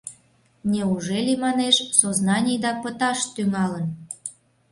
Неужели, манеш, сознанийда пыташ тӱҥалын?